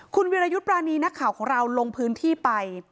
คุณวิรยุทธ์ปรานีนักข่าวของเราลงพื้นที่ไป